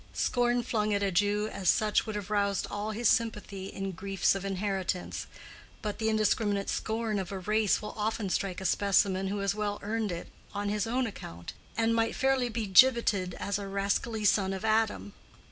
Scorn flung at a Jew as such would have roused all his sympathy in griefs of inheritance; but the indiscriminate scorn of a race will often strike a specimen who has well earned it on his own account, and might fairly be gibbeted as a rascally son of Adam.